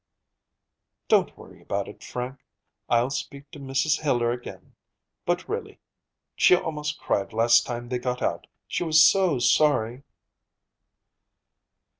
"Don't worry about it, Frank. I'll speak to Mrs. Hiller again. But, really, she almost cried last time they got out, she was so sorry."